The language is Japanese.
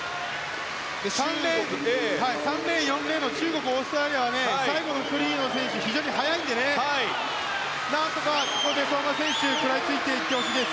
３レーン、４レーンの中国、オーストラリアは最後のフリーの選手が非常に速いので何とかここで相馬選手は食らいついていってほしいです。